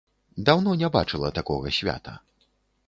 Даўно не бачыла такога свята.